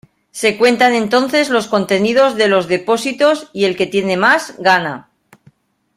Se cuentan entonces los contenidos de los depósitos y el que tiene más, gana.